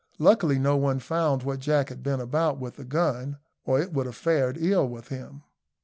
Luckily no one found what Jack had been about with the gun, or it would have fared ill with him.